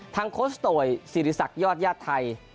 ทางโค้ชโตย์สิริษักยอดญาติไทย